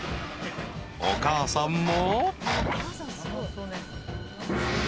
［お母さんも］